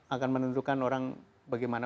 akan menentukan orang bagaimana